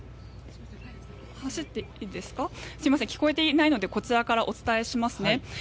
すみません聞こえていないのでこちらからお伝えしますね。